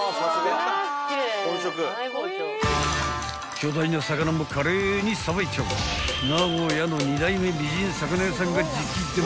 ［巨大な魚も華麗にさばいちゃう名古屋の２代目美人魚屋さんが直伝］